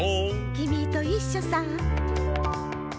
「きみといっしょさ」